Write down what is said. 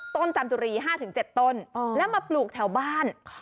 จันจุรี๕๗ต้นแล้วมาปลูกแถวบ้าน